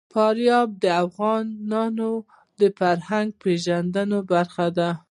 فاریاب د افغانانو د فرهنګي پیژندنې برخه ده.